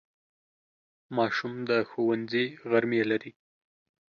ماشوم د ښوونځي غرمې لري.